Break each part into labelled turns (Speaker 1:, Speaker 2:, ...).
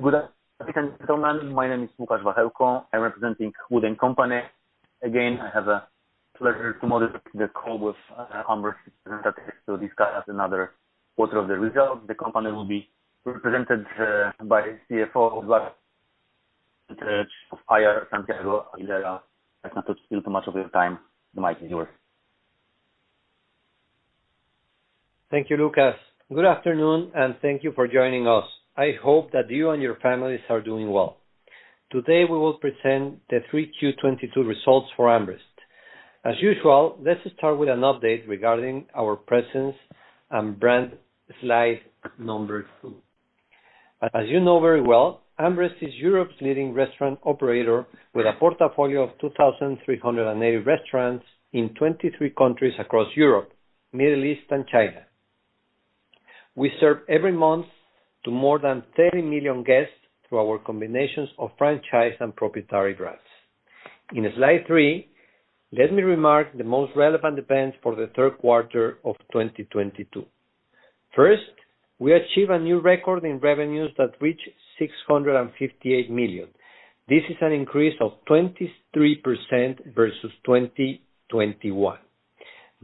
Speaker 1: Good afternoon, gentlemen. My name is Łukasz Wachelko. I'm representing WOOD & Company. Again, I have the pleasure to moderate the call with AmRest representatives to discuss another quarter of the results. The company will be represented by CFO Eduardo Zamarripa and Chief of IR, Santiago Camarero Aguilera. I'll take too much of your time. The mic is yours.
Speaker 2: Thank you, Lukasz. Good afternoon, and thank you for joining us. I hope that you and your families are doing well. Today, we will present the 3Q 2022 results for AmRest. As usual, let's start with an update regarding our presence and brand. Slide 2. As you know very well, AmRest is Europe's leading restaurant operator with a portfolio of 2,380 restaurants in 23 countries across Europe, Middle East, and China. We serve every month to more than 30 million guests through our combinations of franchise and proprietary brands. In Slide 3, let me remark the most relevant events for the third quarter of 2022. First, we achieved a new record in revenues that reached 658 million. This is an increase of 23% versus 2021.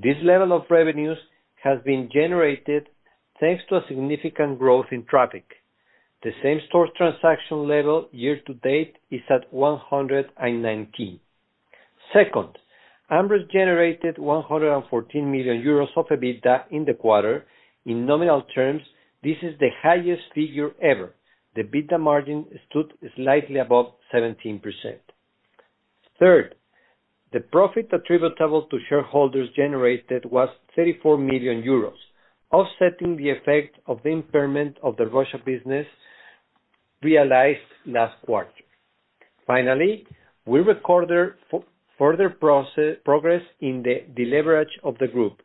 Speaker 2: This level of revenues has been generated thanks to a significant growth in traffic. The same-store transaction level year to date is at 119. Second, AmRest generated 114 million euros of EBITDA in the quarter. In nominal terms, this is the highest figure ever. The EBITDA margin stood slightly above 17%. Third, the profit attributable to shareholders generated was 34 million euros, offsetting the effect of the impairment of the Russia business realized last quarter. Finally, we recorded further progress in the deleverage of the group.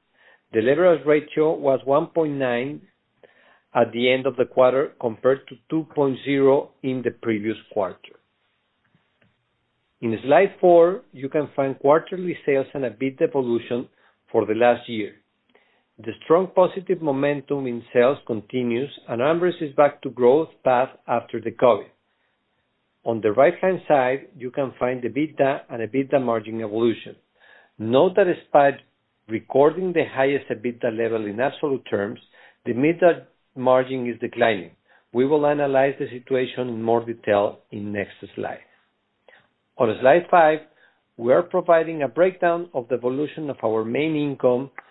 Speaker 2: The leverage ratio was 1.9 at the end of the quarter, compared to 2.0 in the previous quarter. In Slide 4, you can find quarterly sales and EBITDA evolution for the last year. The strong positive momentum in sales continues, and AmRest is back to growth path after the COVID. On the right-hand side, you can find EBITDA and EBITDA margin evolution. Note that despite recording the highest EBITDA level in absolute terms, the EBITDA margin is declining. We will analyze the situation in more detail in next slide. On Slide 5, we are providing a breakdown of the evolution of our main income and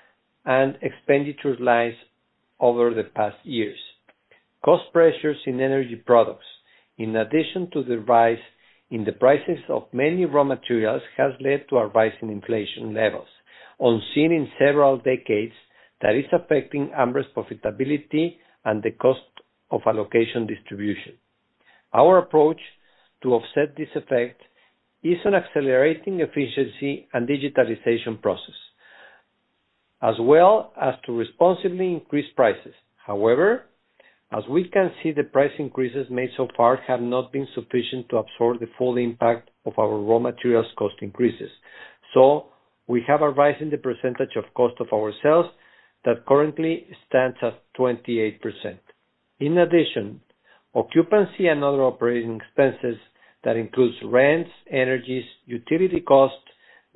Speaker 2: expenditures lines over the past years. Cost pressures in energy products, in addition to the rise in the prices of many raw materials, has led to a rise in inflation levels unseen in several decades that is affecting AmRest's profitability and the cost of allocation distribution. Our approach to offset this effect is an accelerating efficiency and digitalization process, as well as to responsibly increase prices. However, as we can see, the price increases made so far have not been sufficient to absorb the full impact of our raw materials cost increases. We have a rise in the percentage of cost of our sales that currently stands at 28%. In addition, occupancy and other operating expenses, that includes rents, energies, utility costs,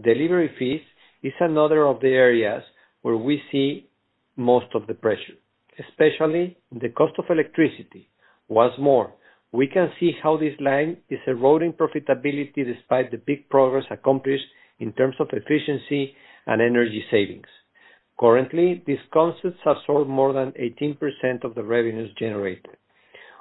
Speaker 2: delivery fees, is another of the areas where we see most of the pressure, especially the cost of electricity. Once more, we can see how this line is eroding profitability despite the big progress accomplished in terms of efficiency and energy savings. Currently, these concepts absorb more than 18% of the revenues generated.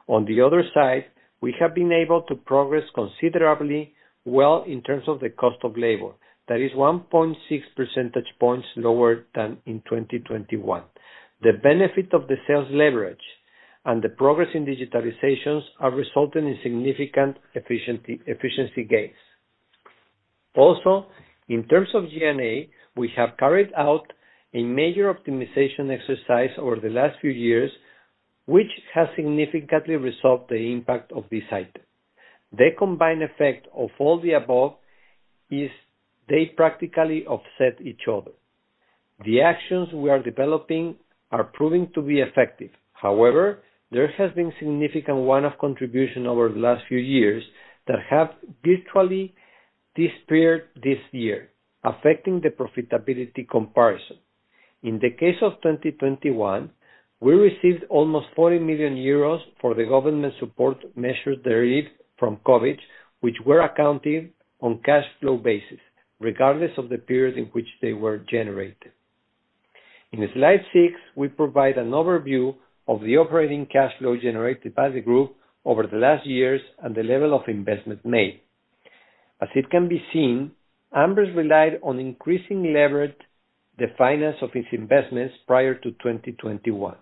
Speaker 2: On the other side, we have been able to progress considerably well in terms of the cost of labor. That is 1.6 percentage points lower than in 2021. The benefit of the sales leverage and the progress in digitalizations are resulting in significant efficiency gains. Also, in terms of G&A, we have carried out a major optimization exercise over the last few years, which has significantly resolved the impact of this item. The combined effect of all the above is they practically offset each other. The actions we are developing are proving to be effective. However, there has been significant one-off contribution over the last few years that have virtually disappeared this year, affecting the profitability comparison. In the case of 2021, we received almost 40 million euros for the government support measures derived from COVID, which were accounted on cash flow basis, regardless of the period in which they were generated. In Slide 6, we provide an overview of the operating cash flow generated by the group over the last years and the level of investment made. As it can be seen, AmRest relied on increasing leverage to finance its investments prior to 2021.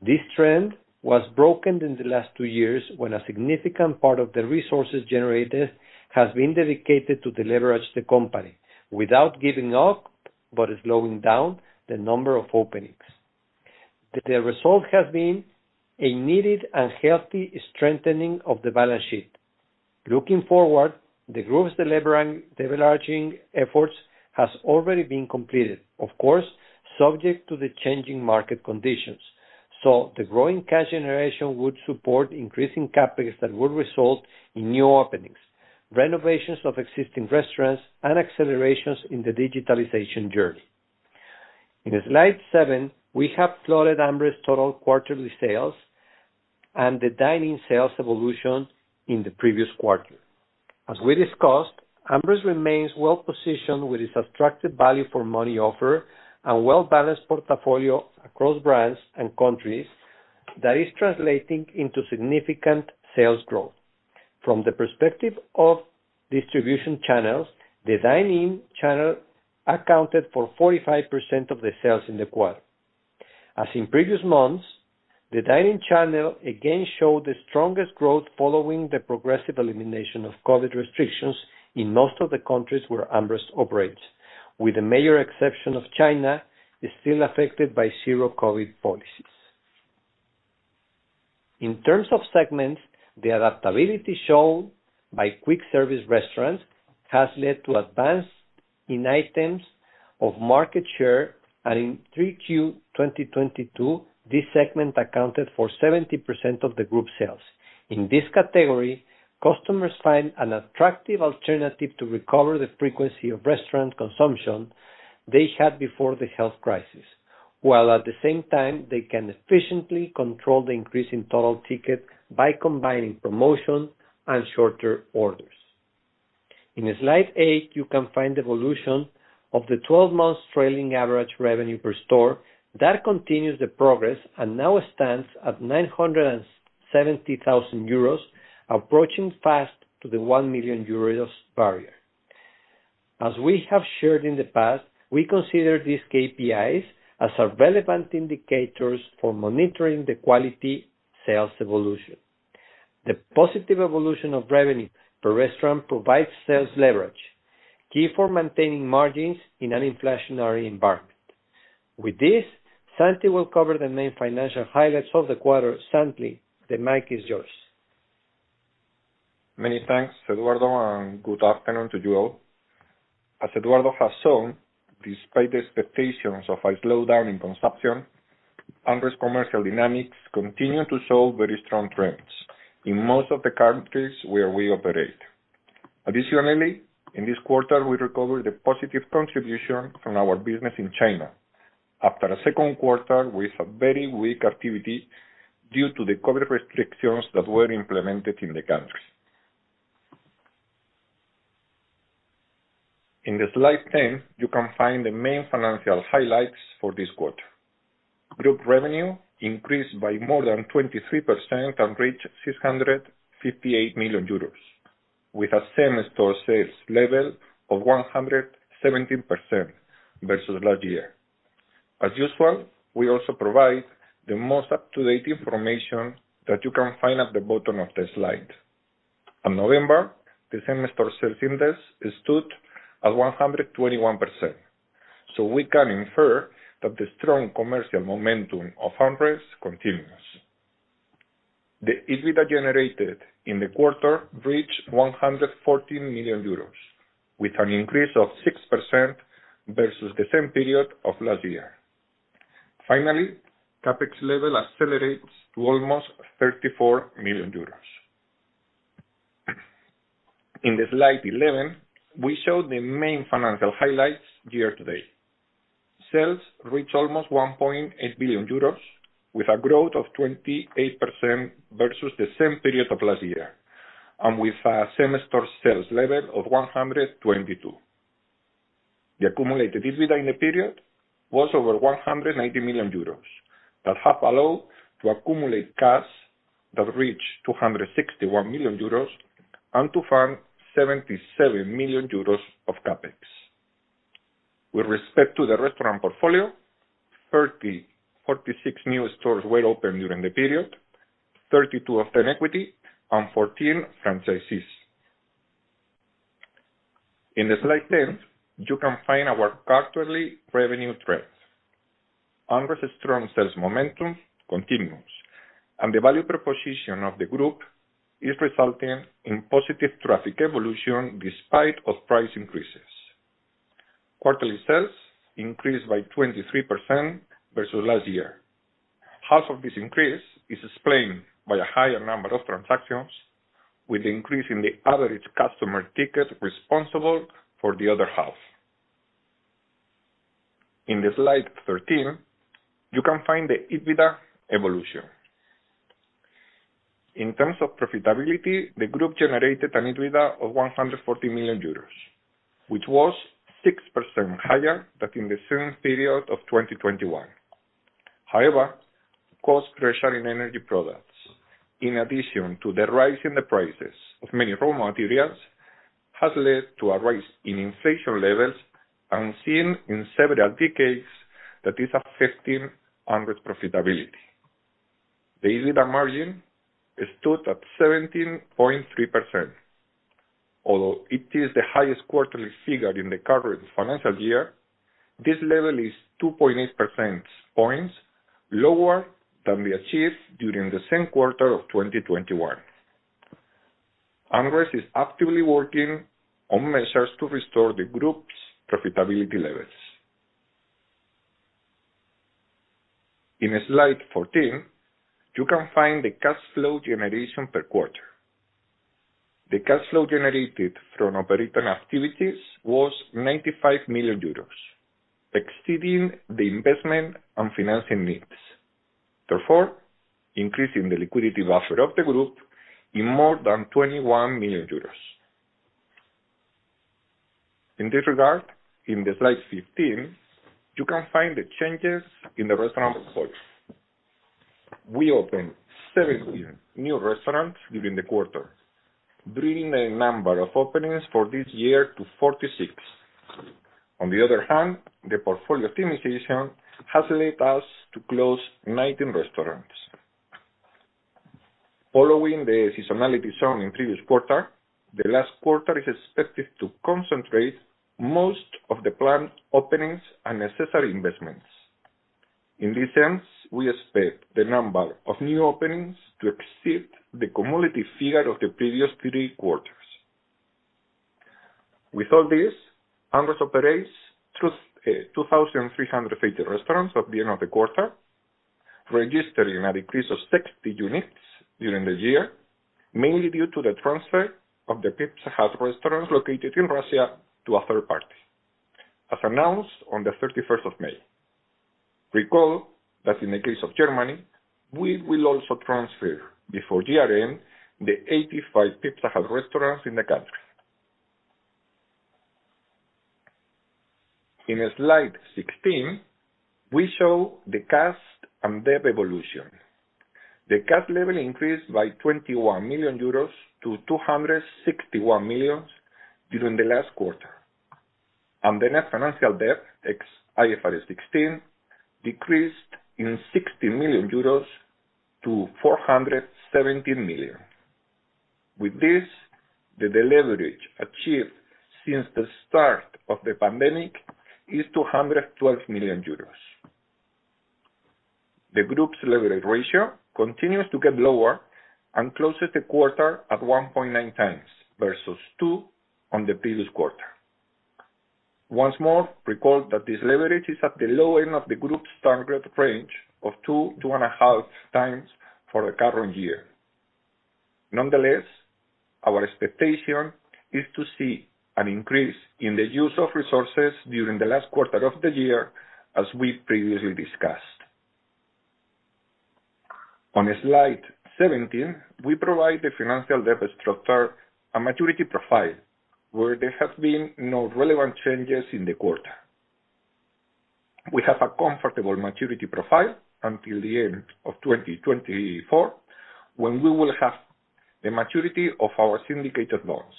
Speaker 2: This trend was broken in the last two years, when a significant part of the resources generated has been dedicated to deleverage the company without giving up, but slowing down the number of openings. The result has been a needed and healthy strengthening of the balance sheet. Looking forward, the group's deleveraging efforts has already been completed, of course, subject to the changing market conditions. The growing cash generation would support increasing CapEx that will result in new openings, renovations of existing restaurants, and accelerations in the digitalization journey. In Slide 7, we have plotted AmRest's total quarterly sales and the dine-in sales evolution in the previous quarter. As we discussed, AmRest remains well-positioned with its attractive value for money offer and well-balanced portfolio across brands and countries that is translating into significant sales growth. From the perspective of distribution channels, the dine-in channel accounted for 45% of the sales in the quarter. As in previous months, the dine-in channel again showed the strongest growth following the progressive elimination of COVID restrictions in most of the countries where AmRest operates, with the major exception of China, is still affected by zero COVID policies. In terms of segments, the adaptability shown by quick service restaurants has led to advance in items of market share, and in Q3 2022, this segment accounted for 70% of the group sales. In this category, customers find an attractive alternative to recover the frequency of restaurant consumption they had before the health crisis, while at the same time, they can efficiently control the increase in total ticket by combining promotion and shorter orders. In Slide 8, you can find the evolution of the 12-month trailing average revenue per store that continues the progress and now stands at 970,000 euros, approaching fast to the 1 million euros barrier. As we have shared in the past, we consider these KPIs as our relevant indicators for monitoring the quality sales evolution. The positive evolution of revenue per restaurant provides sales leverage, key for maintaining margins in an inflationary environment. With this, Santi will cover the main financial highlights of the quarter. Santi, the mic is yours.
Speaker 3: Many thanks, Eduardo, and good afternoon to you all. As Eduardo has shown, despite expectations of a slowdown in consumption, AmRest commercial dynamics continue to show very strong trends in most of the countries where we operate. Additionally, in this quarter, we recovered the positive contribution from our business in China after a second quarter with a very weak activity due to the COVID restrictions that were implemented in the country. In the Slide 10, you can find the main financial highlights for this quarter. Group revenue increased by more than 23% and reached 658 million euros, with a same-store sales level of 117% versus last year. As usual, we also provide the most up-to-date information that you can find at the bottom of the slide. In November, the same-store sales index stood at 121%, so we can infer that the strong commercial momentum of AmRest continues. The EBITDA generated in the quarter reached 114 million euros, with an increase of 6% versus the same period of last year. Finally, CapEx level accelerates to almost 34 million euros. In Slide 11, we show the main financial highlights year-to-date. Sales reach almost 1.8 billion euros with a growth of 28% versus the same period of last year, and with a same-store sales level of 122. The accumulated EBITDA in the period was over 190 million euros, that have allowed to accumulate cash that reached 261 million euros and to fund 77 million euros of CapEx. With respect to the restaurant portfolio, 34 new stores were opened during the period, 32 of them equity and 14 franchisees. In Slide 10, you can find our quarterly revenue trends. AmRest's strong sales momentum continues, and the value proposition of the group is resulting in positive traffic evolution despite price increases. Quarterly sales increased by 23% versus last year. Half of this increase is explained by a higher number of transactions, with increase in the average customer ticket responsible for the other half. In Slide 13, you can find the EBITDA evolution. In terms of profitability, the group generated an EBITDA of 140 million euros, which was 6% higher than in the same period of 2021. However, cost pressure in energy products, in addition to the rise in the prices of many raw materials, has led to a rise in inflation levels unseen in several decades that is affecting AmRest profitability. The EBITDA margin stood at 17.3%. Although it is the highest quarterly figure in the current financial year, this level is 2.8 percentage points lower than we achieved during the same quarter of 2021. AmRest is actively working on measures to restore the group's profitability levels. In Slide 14, you can find the cash flow generation per quarter. The cash flow generated from operating activities was 95 million euros, exceeding the investment and financing needs, therefore, increasing the liquidity buffer of the group in more than 21 million euros. In this regard, in the Slide 15, you can find the changes in the restaurant portfolio. We opened seven new restaurants during the quarter, bringing the number of openings for this year to 46. On the other hand, the portfolio optimization has led us to close 19 restaurants. Following the seasonality shown in previous quarter, the last quarter is expected to concentrate most of the planned openings and necessary investments. In this sense, we expect the number of new openings to exceed the cumulative figure of the previous three quarters. With all this, AmRest operates 2,350 restaurants at the end of the quarter, registering an increase of 60 units during the year, mainly due to the transfer of the Pizza Hut restaurants located in Russia to a third party, as announced on the 31st of May. Recall that in the case of Germany, we will also transfer before year-end the 85 Pizza Hut restaurants in the country. In Slide 16, we show the cash and debt evolution. The cash level increased by 21 million euros to 261 million during the last quarter. The net financial debt, ex IFRS 16, decreased by 60 million euros to 470 million. With this, the deleverage achieved since the start of the pandemic is 212 million euros. The group's leverage ratio continues to get lower and closes the quarter at 1.9 times versus 2 on the previous quarter. Once more, recall that this leverage is at the low end of the group's target range of 2-2.5 times for the current year. Nonetheless, our expectation is to see an increase in the use of resources during the last quarter of the year, as we previously discussed. On Slide 17, we provide the financial debt structure, a maturity profile, where there has been no relevant changes in the quarter. We have a comfortable maturity profile until the end of 2024, when we will have the maturity of our syndicated loans.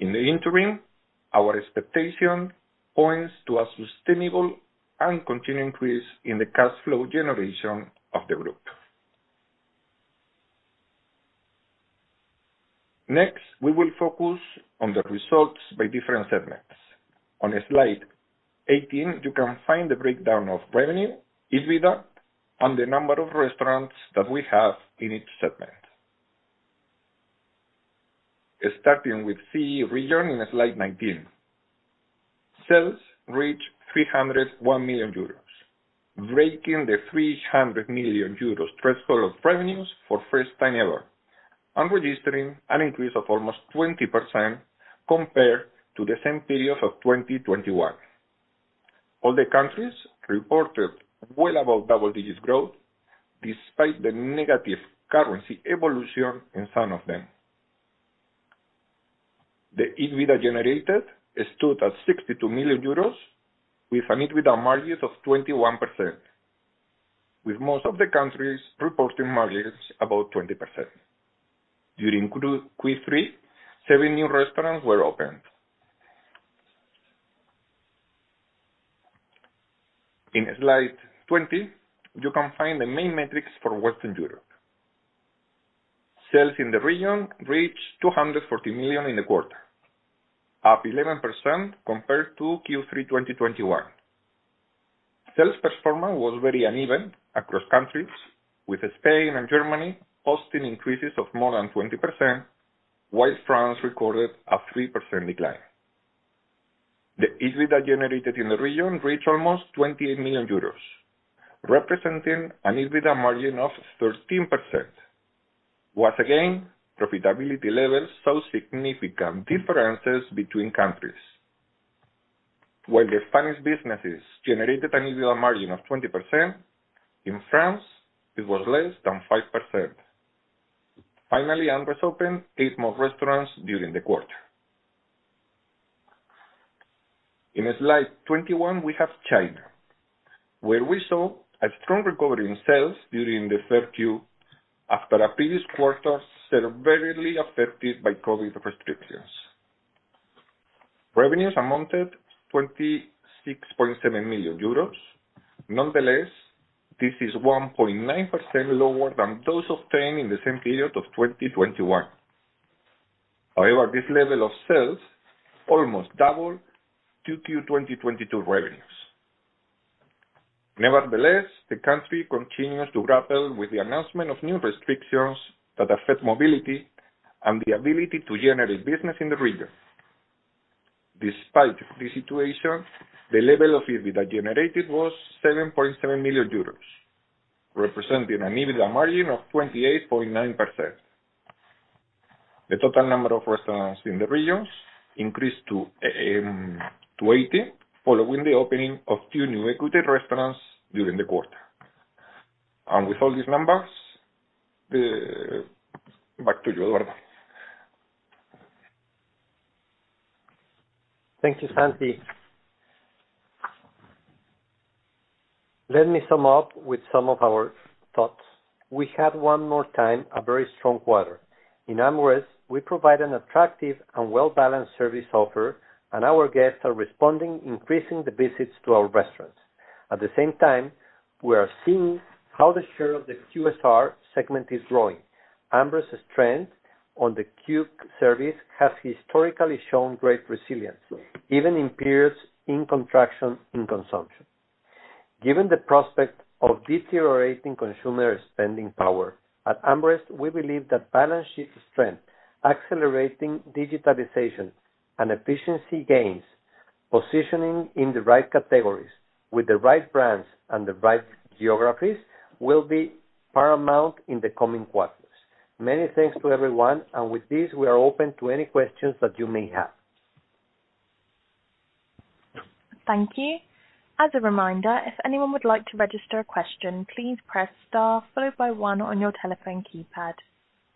Speaker 3: In the interim, our expectation points to a sustainable and continued increase in the cash flow generation of the group. Next, we will focus on the results by different segments. On Slide 18, you can find the breakdown of revenue, EBITDA, and the number of restaurants that we have in each segment. Starting with CE region in Slide 19. Sales reach 301 million euros, breaking the 300 million euros threshold revenues for first time ever and registering an increase of almost 20% compared to the same period of 2021. All the countries reported well above double-digit growth despite the negative currency evolution in some of them. The EBITDA generated stood at 62 million euros with an EBITDA margins of 21%, with most of the countries reporting margins above 20%. During Q3, seven new restaurants were opened. In Slide 20, you can find the main metrics for Western Europe. Sales in the region reached 240 million in the quarter, up 11% compared to Q3 2021. Sales performance was very uneven across countries, with Spain and Germany hosting increases of more than 20%, while France recorded a 3% decline. The EBITDA generated in the region reached almost 28 million euros, representing an EBITDA margin of 13%. Once again, profitability levels saw significant differences between countries. While the Spanish businesses generated an EBITDA margin of 20%, in France, it was less than 5%. Finally, AmRest opened eight more restaurants during the quarter. In Slide 21, we have China, where we saw a strong recovery in sales during the 3Q after a previous quarter that was severely affected by COVID restrictions. Revenues amounted to 26.7 million euros. Nonetheless, this is 1.9% lower than those obtained in the same period of 2021. However, this level of sales almost doubled 2Q 2022 revenues. Nevertheless, the country continues to grapple with the announcement of new restrictions that affect mobility and the ability to generate business in the region. Despite the situation, the level of EBITDA generated was 7.7 million euros, representing an EBITDA margin of 28.9%. The total number of restaurants in the regions increased to 80, following the opening of two new equity restaurants during the quarter. With all these numbers, back to you, Eduardo.
Speaker 2: Thank you, Santi. Let me sum up with some of our thoughts. We had one more time a very strong quarter. In AmRest, we provide an attractive and well-balanced service offer, and our guests are responding, increasing the visits to our restaurants. At the same time, we are seeing how the share of the QSR segment is growing. AmRest's trend on the QSR service has historically shown great resilience, even in periods of contraction in consumption. Given the prospect of deteriorating consumer spending power, at AmRest, we believe that balance sheet strength, accelerating digitalization and efficiency gains, positioning in the right categories with the right brands and the right geographies will be paramount in the coming quarters. Many thanks to everyone. With this, we are open to any questions that you may have.
Speaker 4: Thank you. As a reminder, if anyone would like to register a question, please press star followed by one on your telephone keypad,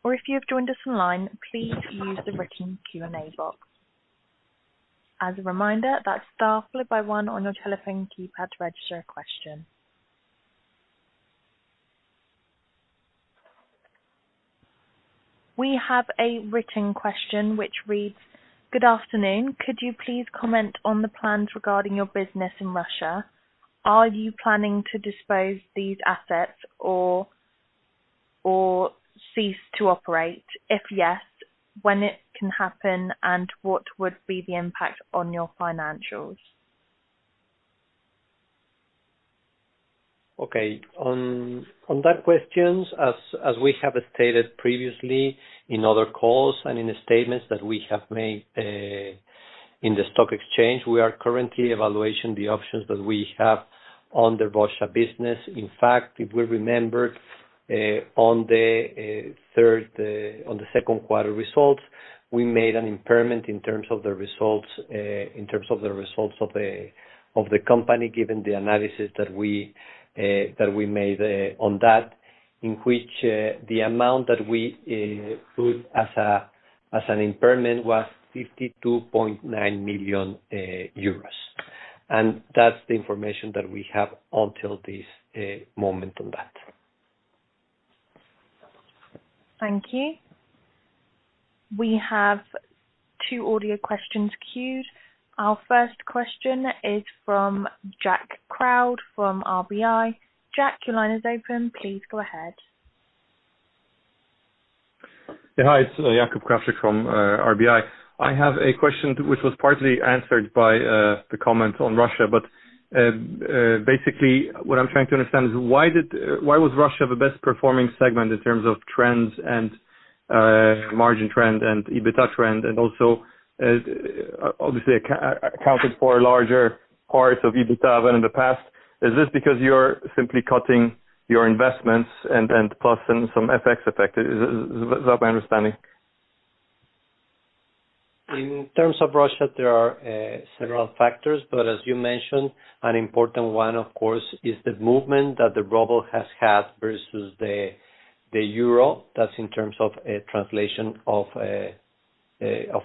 Speaker 4: or if you have joined us online, please use the written Q&A box. As a reminder, that's star followed by one on your telephone keypad to register a question. We have a written question which reads: Good afternoon. Could you please comment on the plans regarding your business in Russia? Are you planning to dispose these assets or cease to operate? If yes, when it can happen, and what would be the impact on your financials?
Speaker 2: Okay. On that question, as we have stated previously in other calls and in the statements that we have made, in the stock exchange, we are currently evaluating the options that we have on the Russia business. In fact, if we remember, on the second quarter results, we made an impairment in terms of the results, in terms of the results of the company, given the analysis that we made, on that, in which the amount that we put as an impairment was 52.9 million euros. That's the information that we have until this moment on that.
Speaker 4: Thank you. We have two audio questions queued. Our first question is from Jakub Krawczyk from RBI. Jakub, your line is open. Please go ahead.
Speaker 5: Hi, it's Jakub Krawczyk from RBI. I have a question which was partly answered by the comment on Russia. Basically what I'm trying to understand is why was Russia the best performing segment in terms of trends and margin trend and EBITDA trend, and also obviously accounted for a larger part of EBITDA than in the past? Is this because you're simply cutting your investments and passing some FX effect? Is that my understanding?
Speaker 2: In terms of Russia, there are several factors, but as you mentioned, an important one, of course, is the movement that the ruble has had versus the euro. That's in terms of a translation of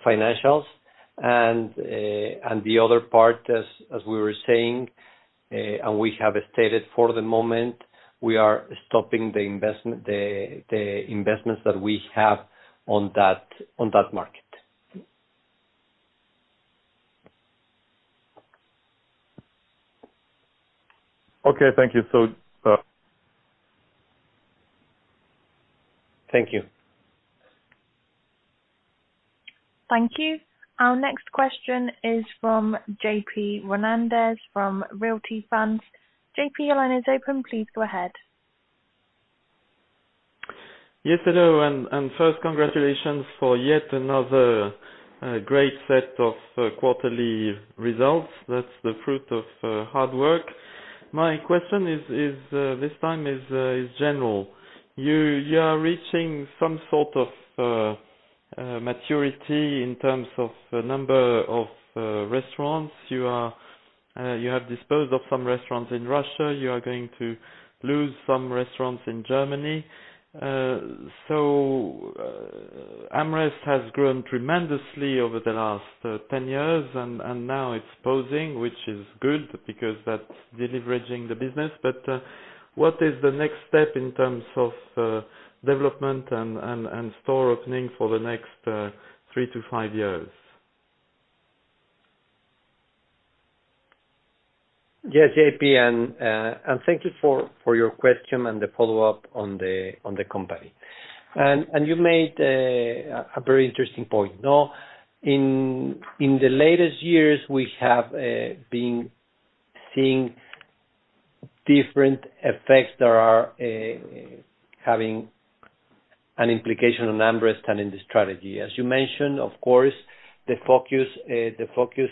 Speaker 2: financials. The other part as we were saying, and we have stated for the moment, we are stopping the investments that we have on that market.
Speaker 5: Okay. Thank you.
Speaker 2: Thank you.
Speaker 4: Thank you. Our next question is from Jean-Pascal Rolandez from L.T. Funds. JP, your line is open. Please go ahead.
Speaker 6: Yes, hello, first congratulations for yet another great set of quarterly results. That's the fruit of hard work. My question this time is general. You are reaching some sort of maturity in terms of the number of restaurants. You have disposed of some restaurants in Russia. You are going to lose some restaurants in Germany. AmRest has grown tremendously over the last 10-years and now it's pausing, which is good because that's deleveraging the business. What is the next step in terms of development and store opening for the next three to five years?
Speaker 2: Yes, JP, and thank you for your question and the follow-up on the company. You made a very interesting point. Now, in the latest years, we have been seeing different effects that are having an implication on AmRest and in the strategy. As you mentioned, of course, the focus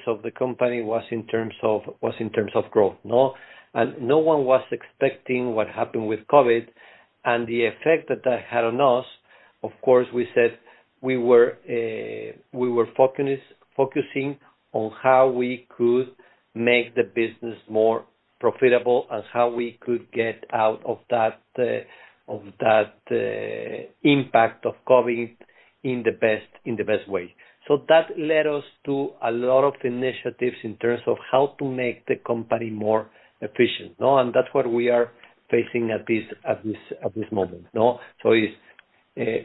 Speaker 2: of the company was in terms of growth, no? No one was expecting what happened with COVID and the effect that that had on us. Of course, we said we were focusing on how we could make the business more profitable and how we could get out of that impact of COVID in the best way. That led us to a lot of initiatives in terms of how to make the company more efficient, no? That's what we are facing at this moment, no? It's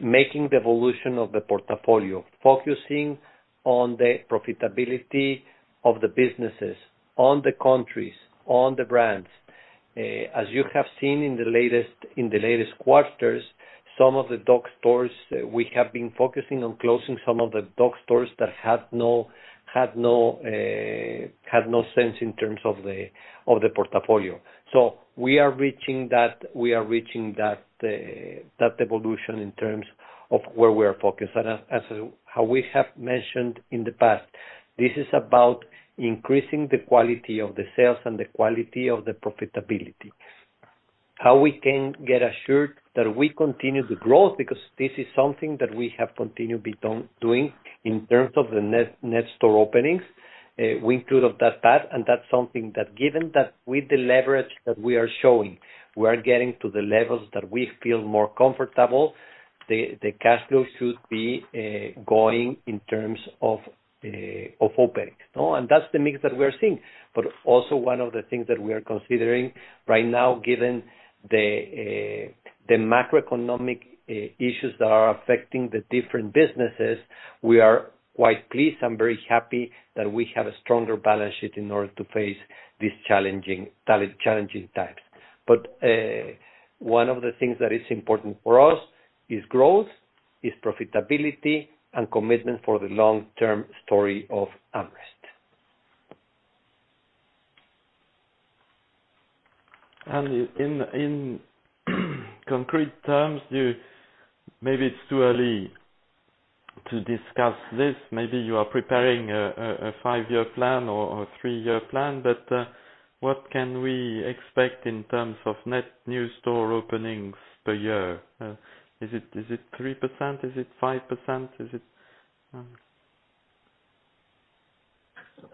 Speaker 2: making the evolution of the portfolio, focusing on the profitability of the businesses, on the countries, on the brands. As you have seen in the latest quarters, some of the dark stores, we have been focusing on closing some of the dark stores that had no sense in terms of the portfolio. We are reaching that evolution in terms of where we are focused. As how we have mentioned in the past, this is about increasing the quality of the sales and the quality of the profitability. How can we get assured that we continue the growth because this is something that we have continued doing in terms of the net store openings. We're on that path, and that's something that, given that with the leverage that we are showing, we are getting to the levels that we feel more comfortable, the cash flows should be going in terms of opening. No? That's the mix that we are seeing. Also one of the things that we are considering right now, given the macroeconomic issues that are affecting the different businesses, we are quite pleased and very happy that we have a stronger balance sheet in order to face these challenging times. One of the things that is important for us is growth, profitability and commitment for the long-term story of AmRest.
Speaker 6: In concrete terms, maybe it's too early to discuss this. Maybe you are preparing a five-year plan or three year plan, but what can we expect in terms of net new store openings per year? Is it 3%? Is it 5%? Is it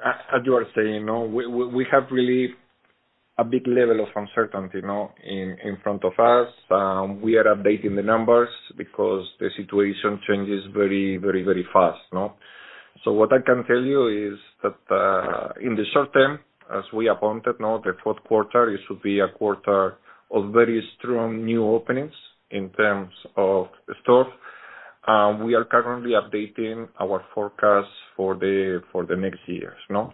Speaker 3: As you are saying, you know, we have really a big level of uncertainty, you know, in front of us. We are updating the numbers because the situation changes very fast, no? What I can tell you is that in the short term, as we appointed now, the fourth quarter, it should be a quarter of very strong new openings in terms of the stores. We are currently updating our forecast for the next years, no?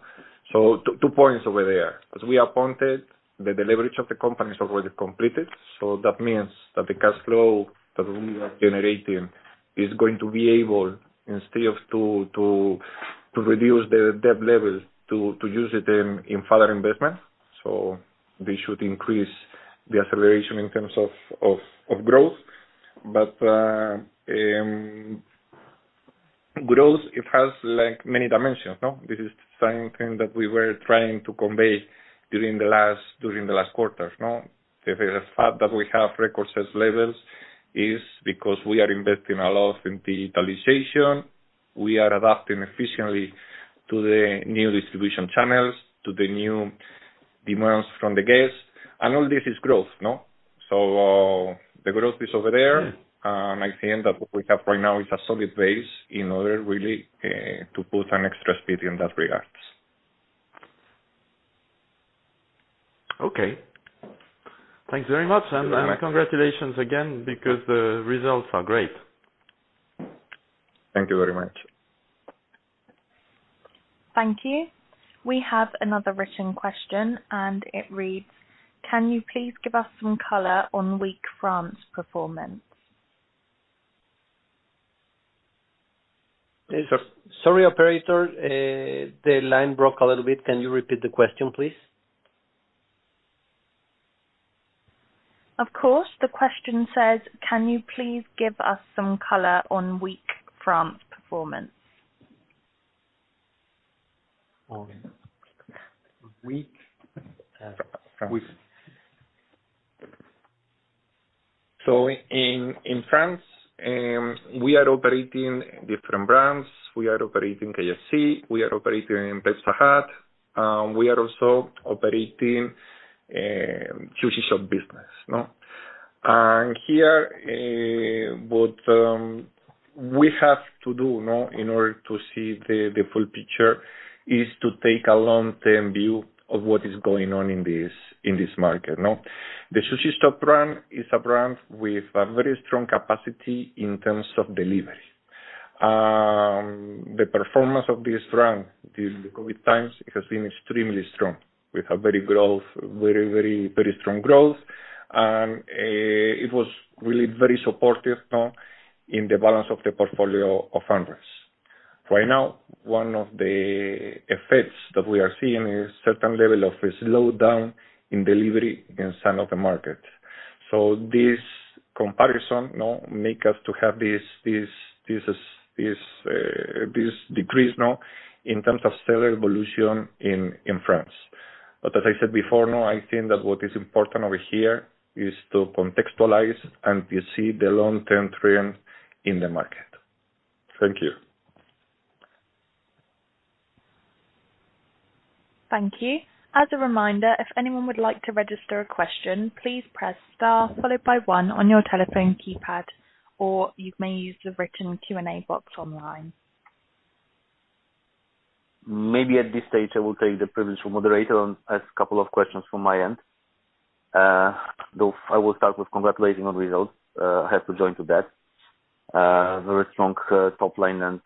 Speaker 3: Two points over there. As we appointed, the leverage of the company is already completed, so that means that the cash flow that we are generating is going to be able, instead of to reduce the debt levels, to use it in further investments. This should increase the acceleration in terms of growth. Growth, it has, like, many dimensions, no? This is something that we were trying to convey during the last quarters, no? The fact that we have record sales levels is because we are investing a lot in digitalization. We are adapting efficiently to the new distribution channels, to the new demands from the guests. All this is growth, no? The growth is over there. I think that what we have right now is a solid base in order really to put an extra speed in that regards.
Speaker 6: Okay. Thanks very much.
Speaker 3: You're welcome.
Speaker 6: Congratulations again because the results are great.
Speaker 3: Thank you very much.
Speaker 4: Thank you. We have another written question, and it reads: Can you please give us some color on weak France performance?
Speaker 2: Sorry, operator. The line broke a little bit. Can you repeat the question, please?
Speaker 4: Of course. The question says: Can you please give us some color on weak France performance?
Speaker 3: Okay. Weak in France. In France, we are operating different brands. We are operating KFC, we are operating Pizza Hut, we are also operating Sushi Shop business, no? Here, what we have to do, no, in order to see the full picture is to take a long-term view of what is going on in this market, no? The Sushi Shop brand is a brand with a very strong capacity in terms of delivery. The performance of this brand during the COVID times has been extremely strong. We have very strong growth. It was really very supportive, no, in the balance of the portfolio of AmRest. Right now, one of the effects that we are seeing is certain level of a slowdown in delivery in some of the markets. This comparison, you know, make us to have this decrease now in terms of sales evolution in France. As I said before, now I think that what is important over here is to contextualize and foresee the long-term trend in the market.
Speaker 1: Thank you.
Speaker 4: Thank you. As a reminder, if anyone would like to register a question, please press Star followed by one on your telephone keypad, or you may use the written Q&A box online.
Speaker 1: Maybe at this stage, I will take the privilege from moderator and ask a couple of questions from my end. Though I will start with congratulating on results. I have to join to that. Very strong, top line and,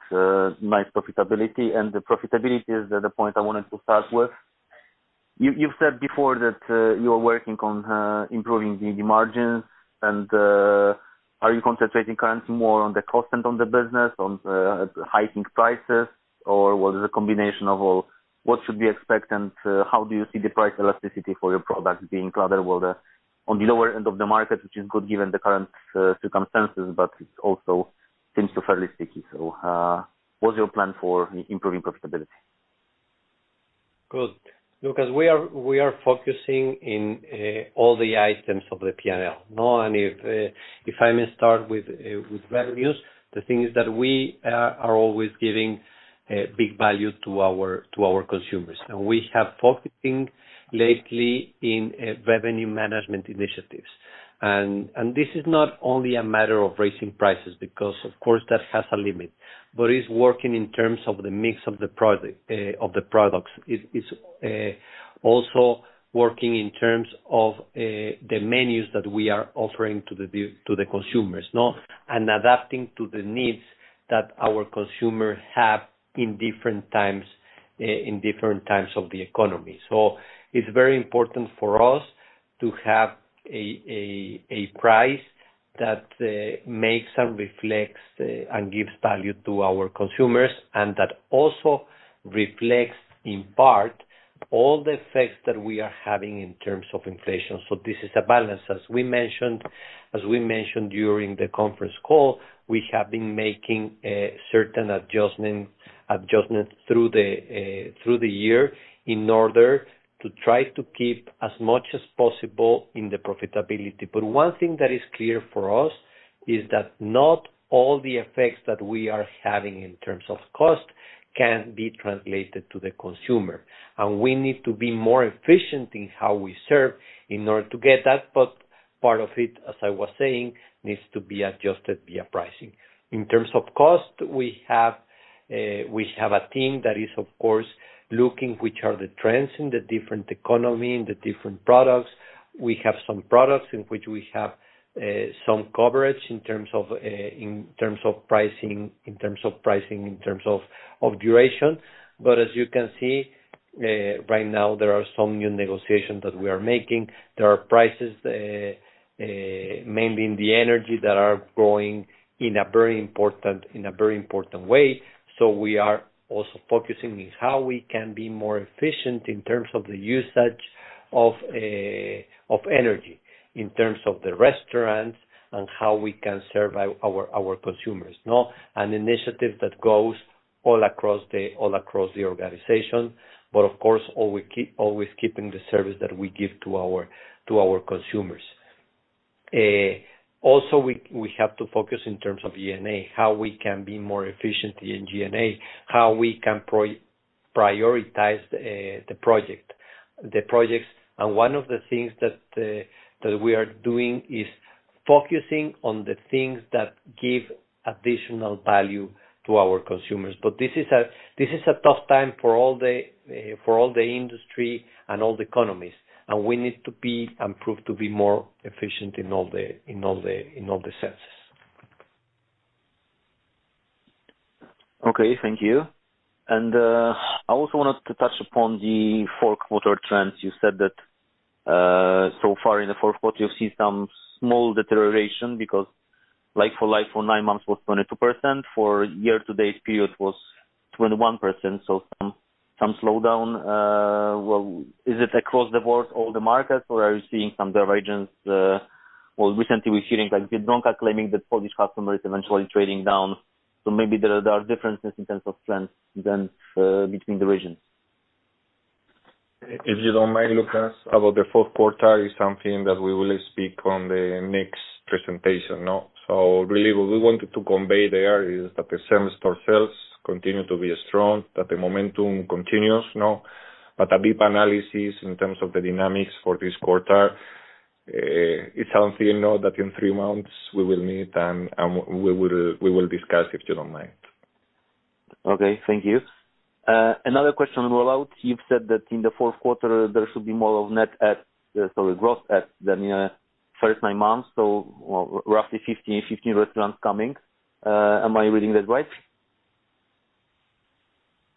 Speaker 1: nice profitability. The profitability is the point I wanted to start with. You, you've said before that, you are working on, improving the margins and, are you concentrating currently more on the cost end of the business, on, hiking prices or was it a combination of all? What should we expect and how do you see the price elasticity for your product being rather well, on the lower end of the market, which is good given the current, circumstances, but it also seems to fairly sticky. What's your plan for improving profitability?
Speaker 2: Good. Łukasz Wachelko, we are focusing in all the items of the P&L. Now, if I may start with revenues, the thing is that we are always giving big value to our consumers. We have focusing lately in revenue management initiatives. This is not only a matter of raising prices because of course that has a limit, but it's working in terms of the mix of the products. It's also working in terms of the menus that we are offering to the consumers, no? Adapting to the needs that our consumers have in different times of the economy. It's very important for us to have a price that makes and reflects and gives value to our consumers, and that also reflects, in part, all the effects that we are having in terms of inflation. This is a balance. As we mentioned during the conference call, we have been making certain adjustments through the year in order to try to keep as much as possible in the profitability. One thing that is clear for us is that not all the effects that we are having in terms of cost can be translated to the consumer. We need to be more efficient in how we serve in order to get that. Part of it, as I was saying, needs to be adjusted via pricing. In terms of cost, we have a team that is of course looking which are the trends in the different economy, in the different products. We have some products in which we have some coverage in terms of pricing, in terms of duration. As you can see, right now there are some new negotiations that we are making. There are prices mainly in the energy that are growing in a very important way. We are also focusing in how we can be more efficient in terms of the usage of energy, in terms of the restaurants and how we can serve our consumers, no? An initiative that goes all across the organization, but of course, always keeping the service that we give to our consumers. Also, we have to focus in terms of G&A, how we can be more efficient in G&A, how we can prioritize the projects. One of the things that we are doing is focusing on the things that give additional value to our consumers. This is a tough time for all the industry and all the economies, and we need to be and prove to be more efficient in all the senses.
Speaker 1: Okay, thank you. I also wanted to touch upon the fourth quarter trends. You said that, so far in the fourth quarter you've seen some small deterioration because like for like for nine months was 22%, for year to date period was 21%. Some slowdown. Well, is it across the board all the markets or are you seeing some divergence, or recently we're hearing like Biedronka claiming that Polish customer is eventually trading down. Maybe there are differences in terms of trends then, between the regions.
Speaker 3: If you don't mind, Łukasz, about the fourth quarter is something that we will speak on the next presentation, no? Really what we wanted to convey there is that the same-store sales continue to be strong, that the momentum continues, no? A deep analysis in terms of the dynamics for this quarter is something, no, that in three months we will meet and we will discuss, if you don't mind.
Speaker 1: Okay. Thank you. Another question on rollout. You've said that in the fourth quarter, there should be more of growth add than, you know, first nine months, so roughly 15 restaurants coming. Am I reading that right?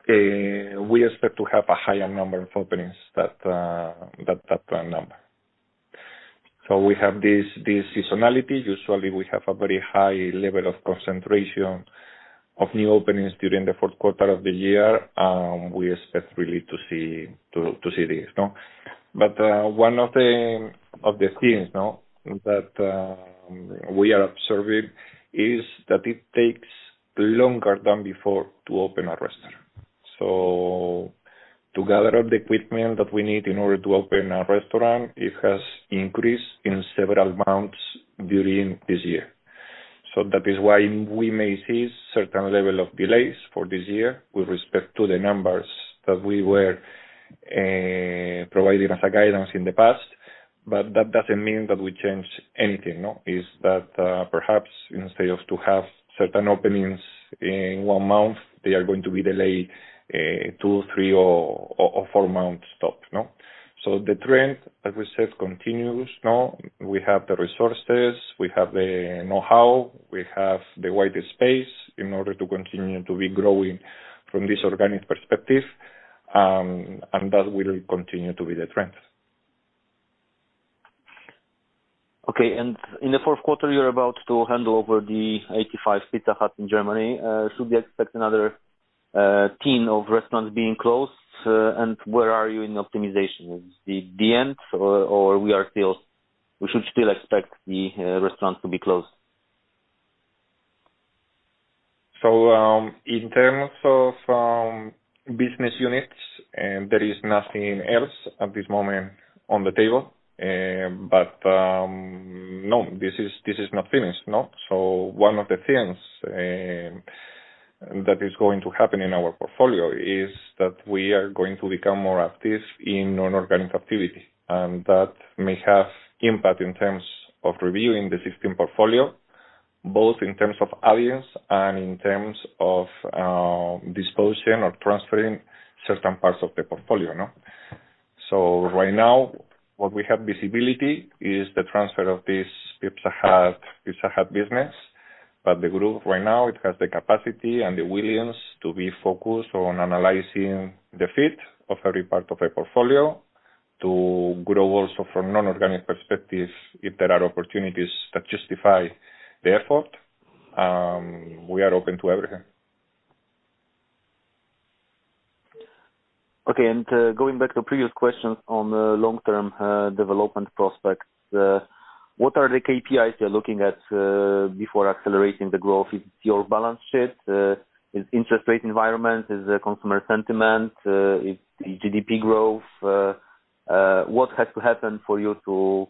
Speaker 3: We expect to have a higher number of openings that number. We have this seasonality. Usually, we have a very high level of concentration of new openings during the fourth quarter of the year. We expect really to see this. One of the things that we are observing is that it takes longer than before to open a restaurant. To gather up the equipment that we need in order to open a restaurant, it has increased in several months during this year. That is why we may see certain level of delays for this year with respect to the numbers that we were providing as a guidance in the past. That doesn't mean that we change anything. Is that, perhaps instead of to have certain openings in one month, they are going to be delayed, two, three or four months tops, no? The trend, as we said, continues, no? We have the resources, we have the know-how, we have the wider space in order to continue to be growing from this organic perspective, and that will continue to be the trend.
Speaker 1: Okay. In the fourth quarter, you're about to hand over the 85 Pizza Hut in Germany. Should we expect another ten of restaurants being closed? Where are you in optimization? Is it the end or we should still expect the restaurants to be closed?
Speaker 3: in terms of business units, there is nothing else at this moment on the table. This is not finished, no. One of the things that is going to happen in our portfolio is that we are going to become more active in non-organic activity, and that may have impact in terms of reviewing the existing portfolio, both in terms of acquisitions and in terms of disposing or transferring certain parts of the portfolio, no? Right now, what we have visibility is the transfer of this Pizza Hut business. The group right now, it has the capacity and the willingness to be focused on analyzing the fit of every part of a portfolio to grow also from non-organic perspective, if there are opportunities that justify the effort. We are open to everything.
Speaker 1: Okay. Going back to previous questions on the long-term development prospects, what are the KPIs you're looking at before accelerating the growth? Is it your balance sheet? Is interest rate environment? Is it consumer sentiment? Is it GDP growth? What has to happen for you to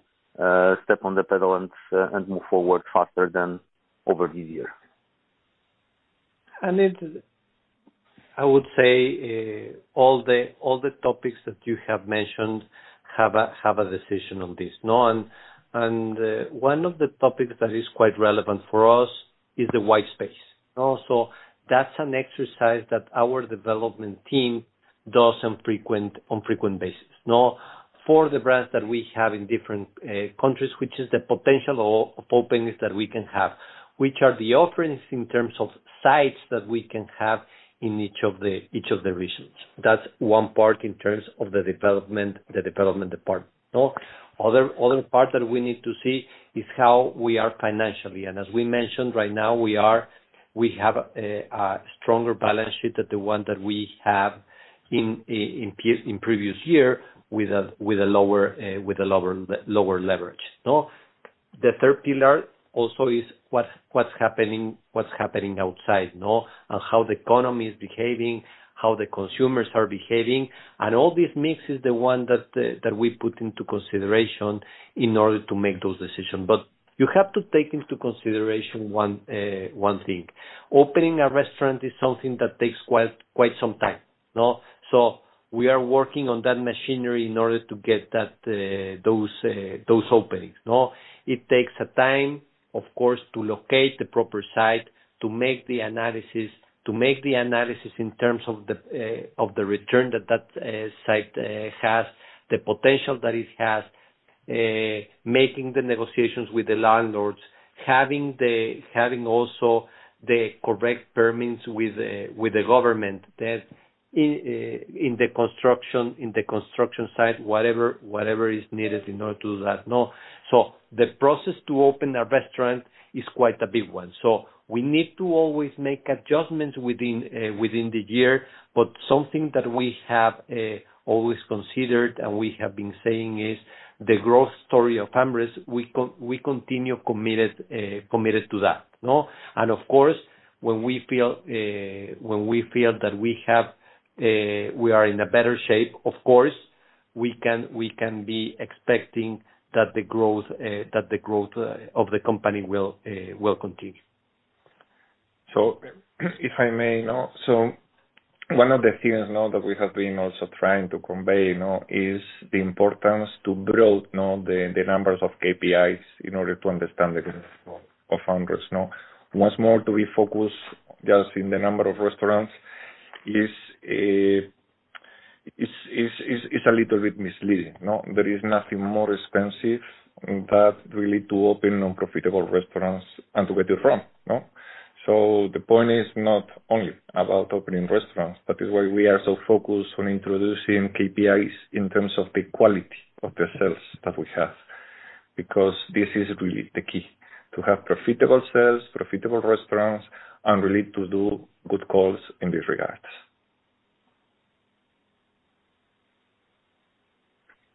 Speaker 1: step on the pedal and move forward faster than over this year?
Speaker 2: I would say all the topics that you have mentioned have a decision on this, no? One of the topics that is quite relevant for us is the white space. Also, that's an exercise that our development team does on a frequent basis, no? For the brands that we have in different countries, which is the potential of openings that we can have, which are the offerings in terms of sites that we can have in each of the regions. That's one part in terms of the development part, no? Other part that we need to see is how we are financially. As we mentioned right now, we have a stronger balance sheet than the one that we have in previous year with a lower leverage, no? The third pillar also is what's happening outside, no? How the economy is behaving, how the consumers are behaving. All this mix is the one that we put into consideration in order to make those decisions. But you have to take into consideration one thing. Opening a restaurant is something that takes quite some time, no? We are working on that machinery in order to get those openings, no? It takes a time, of course, to locate the proper site, to make the analysis in terms of the return that site has. The potential that it has, making the negotiations with the landlords, having also the correct permits with the government that in the construction site, whatever is needed in order to do that, no? The process to open a restaurant is quite a big one. We need to always make adjustments within the year. Something that we have always considered and we have been saying is the growth story of AmRest. We continue committed to that, no? Of course, when we feel that we have, we are in a better shape, of course, we can be expecting that the growth of the company will continue.
Speaker 3: One of the things that we have been also trying to convey, you know, is the importance to grow the numbers of KPIs in order to understand the growth of AmRest, no? Once more to refocus just in the number of restaurants is a little bit misleading, no? There is nothing more expensive than really to open non-profitable restaurants and to get it wrong, no? The point is not only about opening restaurants. That is why we are so focused on introducing KPIs in terms of the quality of the sales that we have, because this is really the key, to have profitable sales, profitable restaurants, and really to do good calls in this regard.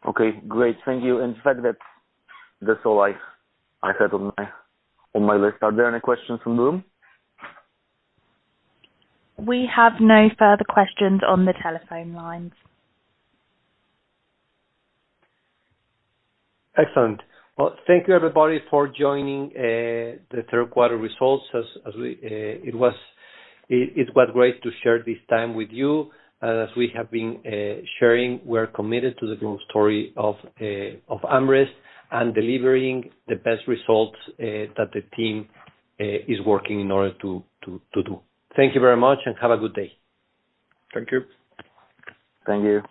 Speaker 1: Okay, great. Thank you. In fact, that's all I had on my list. Are there any questions from the room?
Speaker 4: We have no further questions on the telephone lines.
Speaker 2: Excellent. Well, thank you everybody for joining the third quarter results. It was great to share this time with you. As we have been sharing, we are committed to the growth story of AmRest and delivering the best results that the team is working in order to do. Thank you very much and have a good day.
Speaker 3: Thank you.
Speaker 1: Thank you.